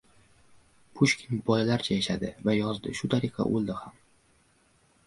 Pushkin bolalarcha yashadi va yozdi, shu tariqa o‘ldi ham.